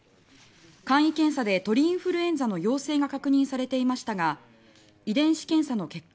簡易検査で鳥インフルエンザの陽性が確認されていましたが遺伝子検査の結果